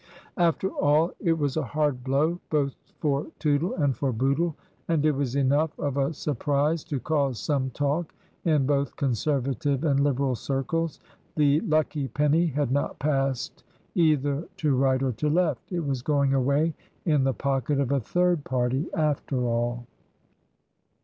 After all, it was a hard blow both for Tootle and for Bootle ; and it was enough of a surprise to cause some talk in both Conservative and Liberal circles. The lucky penny had not passed either to right or to left : it was going away in the pocket of a third party after all.